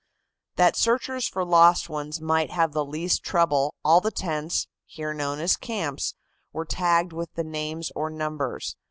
That searchers for lost ones might have the least trouble, all the tents, here known as camps, were tagged with the names or numbers.